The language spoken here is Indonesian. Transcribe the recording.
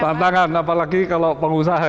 tantangan apalagi kalau pengusaha